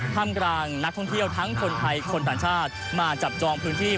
ทำกลางนักท่องเที่ยวทั้งคนไทยคนต่างชาติมาจับจองพื้นที่